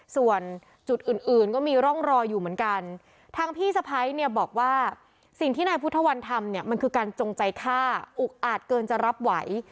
ส่วนจุดอื่นอื่นก็มีร่องรอยอยู่เหมือนกันทางพี่สะพ้ายเนี่ยบอกว่าสิ่งที่นายพุทธวันทำเนี่ยมันคือการจงใจฆ่าอุกอาจเกินจะรับไหว